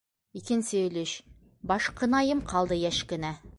Икенсе өлөш БАШҠЫНАЙЫМ ҠАЛДЫ ЙӘШ КЕНӘ